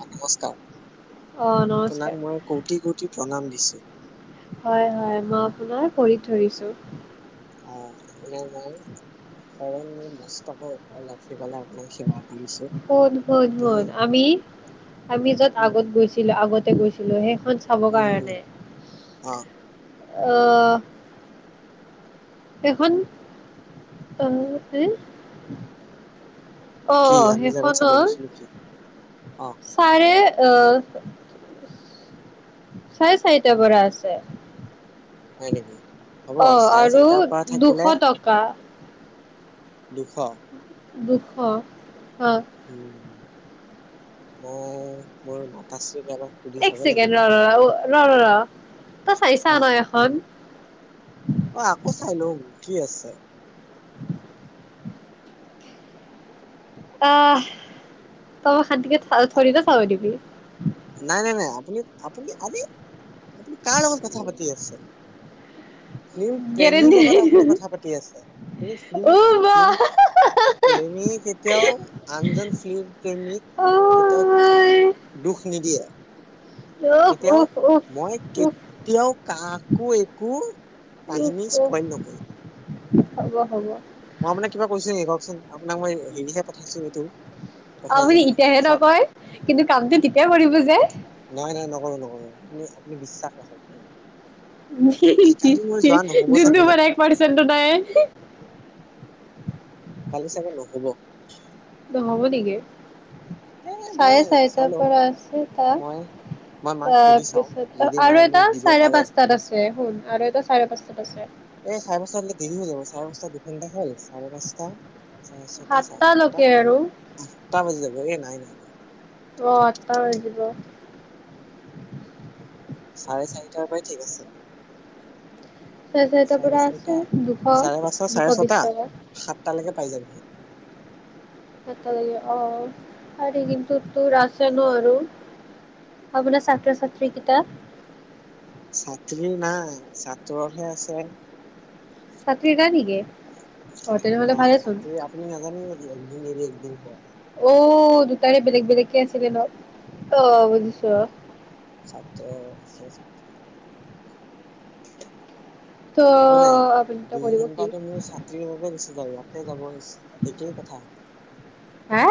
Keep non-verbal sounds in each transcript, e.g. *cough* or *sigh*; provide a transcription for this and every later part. অ' নমস্কাৰ। অ আপোনাক নমস্কাৰ মই কৌটি-কৌটি প্ৰণাম দিছোঁ। হয়-হয় মই আপোনাৰ ভৰিত ধৰিছো। অ' আপোনাৰ মই সৰল মস্তকৰ ওপৰত ৰাখি পেলাই আপোনাক সেৱা কৰিছো আপুনি শুন-শুন-শুন আমি আমি যত উম আগত গৈছিলো আগত ততে গৈছিলোঁহে। ত চাব উম কাৰণে। অ অহ', এখন এহ এ *unintelligible* কি অ-অ আমি যে আগত সেইখনত চাব গৈছিলো কি অ ছাৰে অহ। চাৰে চাৰিটাৰ পৰা আছে। হয় নেকি? হ'ব অ', চাৰে আৰু চাৰিটাৰ পৰা দুশ থাকিলে টকা দুশ। দুশ। উম', মই মোৰ মাতাছিল। এক ছেকেণ্ড ৰ-ৰ, ৰ-ৰ-ৰ, তই অ চাইছা ন এখন। অ', আকৌ চাইলম কি আছে। অহ, তয়ো সন্তিবেদ। আপ থৰি না চাবদিব। নাই নাই নাই আপুনি আপুনি আমি আপুনি কাৰ লগত কথা পাতি আছিল ফিল্ম প্ৰেমীৰ গেৰেণ্টি লগত আপুনি নাই। কথা পাতি আছে কি ফ্ম অ ফ্ম বা প্ৰেমী কেতিয়াও আনজন ফিল্ম উফ প্ৰেমীক দুখ নিদিয়ে কেতিয়াও উফ উফ মই উফ কেতিয়াও কাকো একো কাহিনী উফ উফ স্পণ নকৰো হ'ব হ'ব মই আপোনাক কিবা কৈছো নেকি কওকচোন আপোনাক মই হেৰিহে পঠাইছো এইটো পঠাই যে আপুনি এতিয়াহে চক নকয় কিন্তু কামটো তেতিয় কৰিব যোয় নাই নাই নকৰো নকৰো আপনি আপুনি বিশ্বাস ৰাখক এ, কালি মোৰ যোৱা নহ'ব যোনটো চাগে দে মান এক পাৰচনটো নাই কালি চাগে নহব ত হ'ব নেকি এ মই চাৰে চাই চাৰিটাৰ লওঁ পৰা আছে ত মই মই মাক সুধি চাওঁ তাৰপিছত যদি মায়ে আৰু মোক এটা দিব চাৰে পাৰে পাঁচটাত আছে শুন আৰু এটা চাৰে পাঁচাত চছে এই চাৰে পাঁচটা হলে দেৰি হৈ যাব চাৰে পাঁচটা দুঘণ্টা হ'ল চাৰে পাঁচটা চাৰে ছটা চাৰে সাতটা সাতটালৈকে আৰু আঠটা বাজি যাব এ নাই নাই ন অ আটা বাজিব চাৰে চাৰিটাৰ পৰাই ঠিক আছে চাৰে চাৰিটাৰ পৰা আছে দুশ চাৰে পাঁচটা দুশ চাৰে ছটা বিশ টকা সাতটালৈকে পাই যাব অ আৰু কিন্তু তোৰ আছে নো আৰু ভাবনা ছাত্ৰ ছাত্ৰী কিতাপ ছাত্ৰী নাই ছাত্ৰহে আছে ছাত্ৰী নাই নেকি অ' তেনেহ'লে নাই ভালেচোন ছাতি আপুনি নাজানে নেকি একদিন এৰি হয় অ দুটাৰে বেলেগ বেলেগকে আছিলে ন অ বুজিছো সাত ত' এইকাৰে আপুনিতো দুই কৰিব কি ঘণ্টাটো ম ছাত্ৰী কথাতে গুছি যায় আৰু ত যাব এইটোৱে কথা হ হ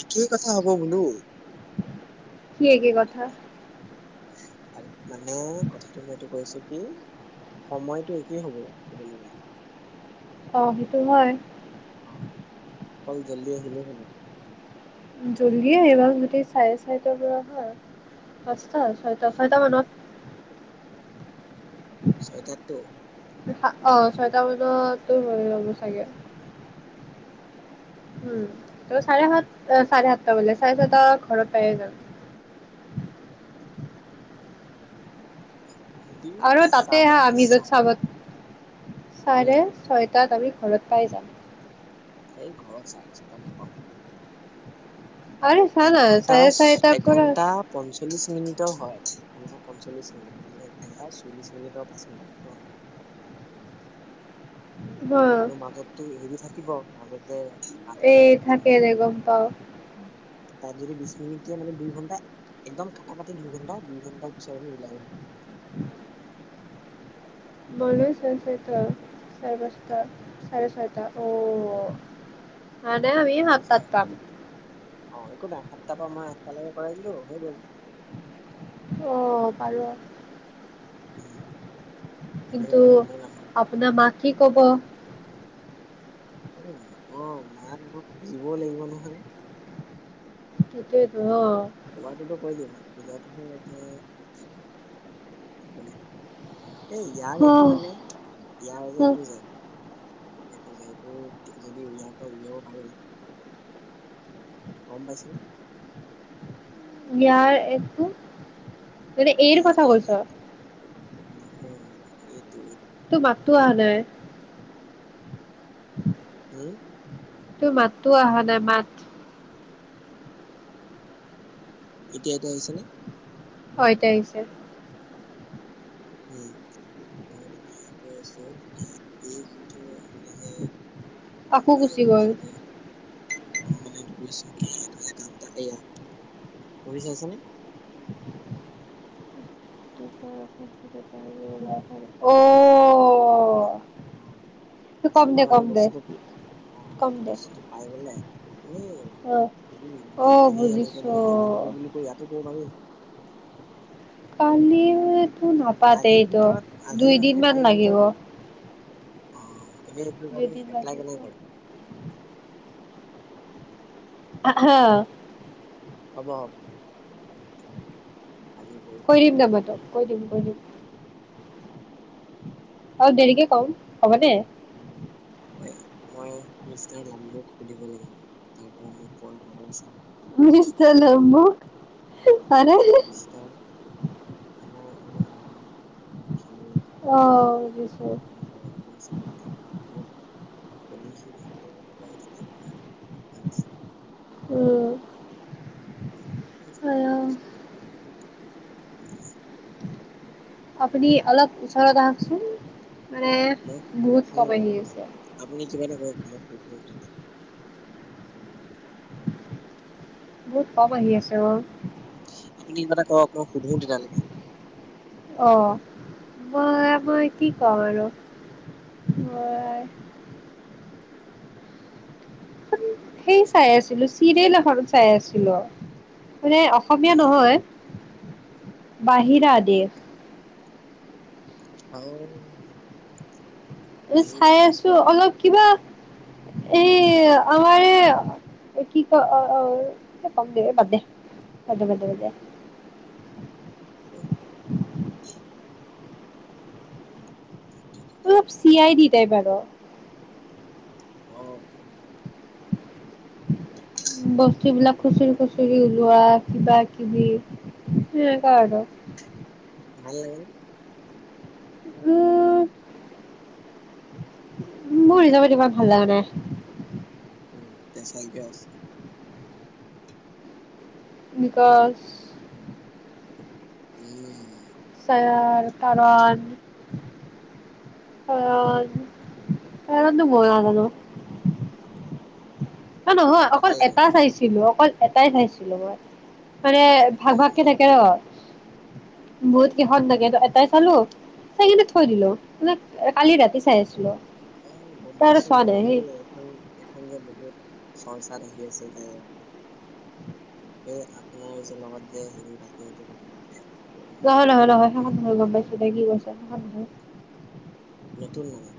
একেই কথা হব বোলো কি এগে কথা আৰু মানে কথাটো মই এইটো কৈছো কি সময়টো একেই হ'ব কবলে গলে অ সেইটো হয় অ অকল জল্দি আহিলেই হল জল্দি এইবাৰ গোদি চাৰে চাৰিটা পৰাহা পচ ছয় উম ছয়টা মানত ছয়টাত টো হা অ ছয়টা মানতো হৈ লব চাগে উম ত চাৰে সাত চাৰে সাতটা বলে চাৰে ছাতটা ঘৰত পাইয়ে যাম। যদি আৰু তাতে চাৰে আহা আমি য'ত চাৰে চাব উম চাৰে ছয়টা তাত আমি ঘৰত পাই যাম এই ঘৰত চাই আছ তাত নাপামহি আৰে চা এক না ঘন্টা চাৰে চাৰিটাৰ পৰা একঘন্টা পঞ্চল্লিশ মিনিট ও হয় এঘন্টা পঞ্চল্লিশ মিনিট মানে এঘণ্টা চল্লিশ মিনিট আৰু পাঁচ মিনিট হা আৰু মাজততো হেৰি থাকে কিব মাজত জে এই থাকে দে গম পাও তাত যদি বিশ মিনিট দিয়া মানে দুই ঘণ্টা একদম কটা কাটি দুই ঘণ্টা দুই ঘণ্টাৰ পিছৰ আমি ওলাই আহিম বলিউড চেনচৈতৰ চাৰে পাঁচটা চাৰে ছয়টা অ মানে আমি সাত তাত পাম কোনা সাতটাৰ পৰা মই আঠটালৈকে কৰাই দিলো সই গ'ল। অ পাৰ উম, এনেই কিন্তু ইমান সময় নালাগে বাৰু। আপোনাৰ মাক কি কব? অ অ মাক আকৌ দিব লাগিব নহয় তাকে তো অ কোৱাটোটো কৈ দিম পূজাটো হে এতিয়া বুলি এ ইয়াৰ অ এইটো মানে ইয়াৰ যে এইটো যে এইটো যে এইটো যদি উইয়াত উলিয়াব পাৰো গম পাইছো নিয়াৰ এককো তুতে এৰ কথা কৈছ হ এইটো এইটো টো মাতটো অহা নাই উম তোৰ মাতটো অহা নাই মাত এতিয়া ইয়াতে আহিছে নে? হয় এতিয়া আহিছে উম মই মানে এয়া কৈ আছো কি এই যোনটো আমি যে কাম আকৌ তাজে গুচি গ'ল কৰিছো যে মই মানে এইটো কৰিছো কি এইটো যে কাম এটা এইয়া পঢ়ি চাইছা নে অ' উম উম তাৰ কম দে পৰা মানে কম দে বস্তুটো অ কম এইটো দে বস্তুটো পাই বলে এনেই অ' হেৰি এনে অ' এনে বুজিছো এনেকে হেৰি হে বুলি কৈ ইয়াতো কব পাৰি। কান্দিম, নাপাতে আজিৰ এইটো, ভিতৰত আজি দুইদিন নহলে মান কালিৰ লাগিব। ভিতৰত অ। এনেই এইটোৰ কাৰণে দুইদিন এপলাই লাগিব কেনেকে কৰে? হা হা। হ'ব হ'ব। কালি কৈ পৰহি দিম মানে বাৰু কৰিম তাতে, কৈ দিম কৈ দিম। অ দেৰিকে কম, হ'ব দে। উম মই মই মিষ্টাৰ লাম্বুক সুধিব লাগিব। তাৰ পৰা মই প‌ইছা পাব আছে। মিষ্টাৰ লম্বু উম। হয়নে মিষ্টাৰ আমাৰ আমাৰ এনেই *unintelligible* পাবলৈ অ' *unintelligible* বুজিছো পাম। যদি সি নহব বুলি কয় তেতিয়াহলে আৰু দিগদাৰ আছে। উম। আজিতো দছ তাৰিখ। আপুনি অলপ ওচৰৰত আহকচোন। মানে মই বহুত সোধো কম আহি আছে আৰু। আপুনি কিবা এটা কৰক, মই *unintelligible* বহুত কম আহি আছে অ। আপুনি কিবা এটা কৰক ম‌ই সুধো তেতিয়ালৈকে। অ, মই মই কি কম আৰু। মই, সেই চাই আছিলো। চিৰিয়েল এখন চাই আছিলো। এ অসমীয়া দেই নহয়। বাহিৰাদেশ। আহ। উ চাই আছো। অলপ কিবা, এই আমাৰ এ কি কয়, অ অ, এ বাদ দে বাদ দে, বাদ দে বাদ দে বাদ দে। হম। অলপ চিয়াঁই দি ছে বাৰু। অহ। বস্তু বিলাক খুচৰি খুচৰি ওলোৱা। কিবা কিবি, সেনেকুৱা আৰু। ভাল লাগে নে? উম মোৰ হিচাপত ইমান ভাল লগা নাই। উম, তেচাইকে আছে। কি কয়। উম। চায়াৰ, কাৰণ অ এৰন্দো গৈ অহা মানে। অ নহয় উম অকল ভাল লাগে এটা মানে চাইছিলো অকল এটাই চাইছিলো মই মানে অ ভাগ এটাই ন? ভাগকে থাকে ৰ বহুত কিহত লাগে এটাই চালো সেইখিনে থৈ উম দিলো মানে কালি ৰাতি চাই আছিলো অ গম তাৰ আৰু পাইছো ন চোৱা নাই সেই এই এইখন এইখন যে বহুত চৰ্চাত আহি আছে যে এই আপোনাৰ যে লগত যে হে ৰাতি ৰাতি কথা পাতে এই নহয় নহয় নহয় এই সেই কথা আমাৰ গম পাইছো দে কি কৰিছ তেনেকুৱা নহয় নতুন মানুহ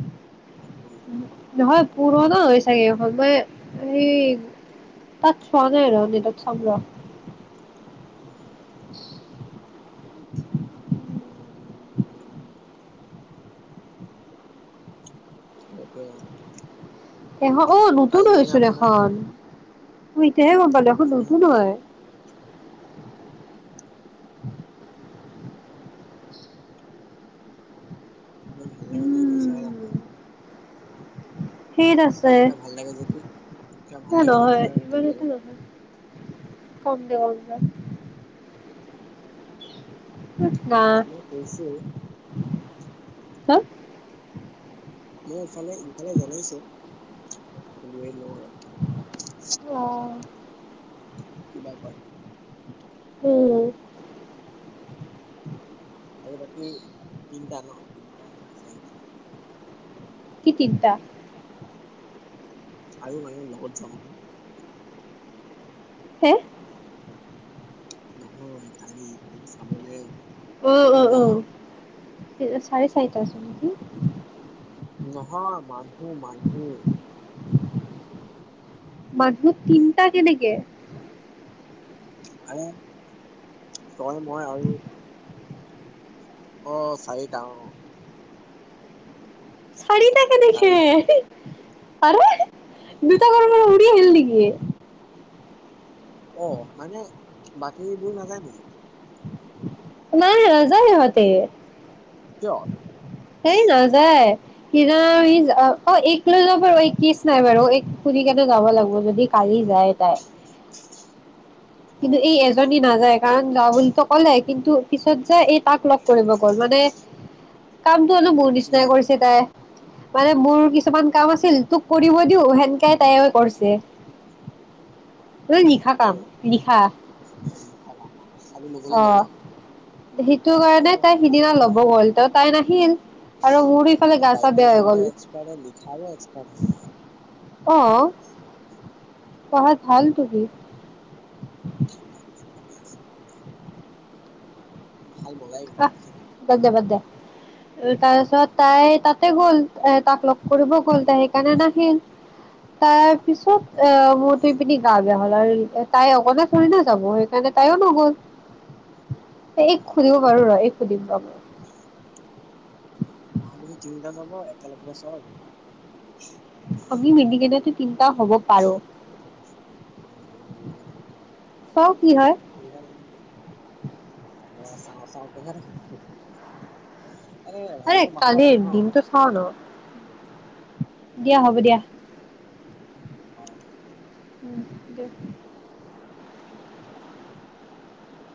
নহয় পুৰণা হৈ চাগে এখন মই এই তাত চোৱা নাই আৰু আ তাত চাম ৰ *inaudible* *inaudible* সেইটোৱে এ অ নতুন কালি মানে হৈছিল আপোনাৰ এখন মই এতিয়াহে গম পালো দেখোন নতুন হয় *inaudible* মই ভাল লগা এদিন চাই চাম আৰু উম ঠিক আছে কিবা ভাল লাগে যদি কিবা ভাল লাগে যদি তেতিয়া কবি আৰু কম লে কম না মই কৈছো হা মছ ইফালে ইফালে জনাইছো *unintelligible* অ কি বাৰ প উম আৰু পি তিনটা ন তিনটা‌ ন চ কি তিনটা আৰু মানে মই লগত যাম হে নহয় কালি কালি চাবলে উ! উ! তিনটা ন উ! চাৰে চাৰিটা হৈছে। নহয়, মা এই মাহী‌। মাকৰ তিনিটা কেনেকে? তই মই আৰু অ' চাৰিটা, অ'। চাৰিটা চাৰি কেনেকে? আৰে? দুটা গৰ কি হিল‌ দিকে অ মানে, বাকীবোৰ নাজায় নেকি? নাই নাযায় ইিহঁতে কিয়? সেই নাযায়, *unintelligible* অ' এইক লৈ ল বাৰু এইক কেচ নাই বাৰু, এইক সুধি কিনে যাব লাগিব, যদি কালি যায় তাই। কিন্তু অ এই এজনী নাযায় গান গাওঁ বুলিতো ক'লে, কিন্তু পিছত যে এই তাক লগ ধৰিব গ'ল। মানে কাম নো মোৰ নিচিনায়ে উম কৰিছে তাই। মানে মোৰ কিছুমান কাম আছিল তোক কৰিব দিওঁ, সেনকাই তাইও কৰিছে। *unintelligible* নিশা অ কাম। ৰিহা ইফাল ইফালে লবলৈ গ'ল ন অ'হ, সেইটো অ কাৰণে তাই সিদিনা ল'ব গ'ল তাত। তাই নাহিল। আৰু মোৰ ইফালে গা চা বেয়া হৈ গ'ল বাদ্যয়যন্ত্ৰ এক্সপাৰ্ট, লিখাৰোঁ এক্সপাৰ্ট হয়। আহ পঢ়াত ভাল তুমি। *unintelligible* ভাল বজাই আহ বাদ দে বাদ দে। সি। তাৰপিছত তাই তাতে গ'ল, এ তাক লগ কৰিব গ'ল তাই সেইকাৰণে নাহে। তাৰ পিছত, অ মোৰ ত পপিনি গা বেয়া হ'ল, আৰু তাই অকলে ঠোৰি না যাব সেইকাৰণে তাইও নগ'ল। এই মই *unintelligible* বাৰু ৰ এইকো দিম, বাবু মাঘবিহু তিনিটা যাব একেলগে চব। আমি অ মিলিকেনে নো তিনিটা হ'ব পাৰোঁ। *inaudible* *inaudible* চাও কি হয় এই আৰে ভালকে বনাব কালিৰ লাগে ন, দিনটো চাও ন প্লেনটো। দিয়া হ'ব দিয়া অ। উম, দে।